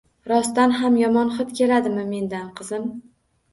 Rostdan ham yomon hid keladimi mendan, qizim?